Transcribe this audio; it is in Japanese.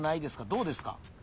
どうですか？